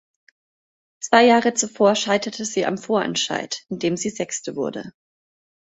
Zwei Jahre zuvor scheiterte sie am Vorentscheid, in dem sie sechste wurde.